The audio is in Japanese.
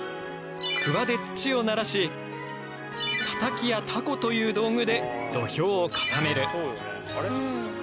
クワで土をならしタタキやタコという道具で土俵を固める。